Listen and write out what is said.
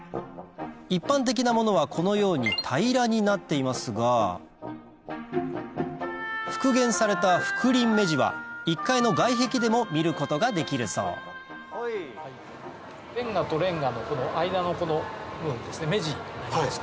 一般的なものはこのように平らになっていますが復元された覆輪目地は１階の外壁でも見ることができるそうれんがとれんがの間のこの部分目地になりますけど。